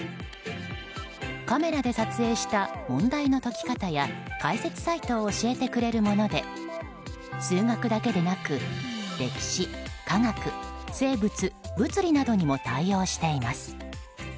カメラで撮影した問題の解き方や解説サイトを教えてくれるもので数学だけでなく歴史、化学、生物物理などにも対応しています。